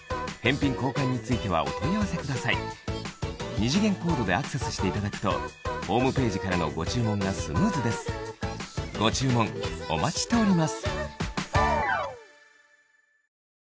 二次元コードでアクセスしていただくとホームページからのご注文がスムーズですご注文お待ちしております